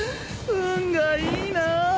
運がいいなぁ！